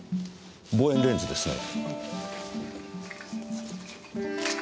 望遠レンズですね。